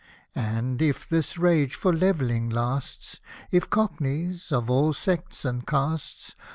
And, if this rage for travelling lasts, If Cockneys, of all sects and castes.